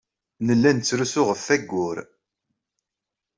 Nella nettrusu ɣef wayyur.